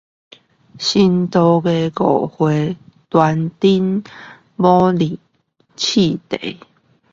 新多益五回全真模擬試題